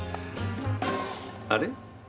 あれ？